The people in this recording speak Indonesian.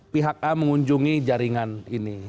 pihak a mengunjungi jaringan ini